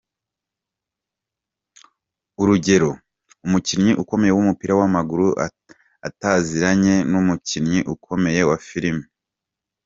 Urugero:Umukinnyi ukomeye w’umupira w’amaguru ataziranye n’umukinnyi ukomeye wa Filime.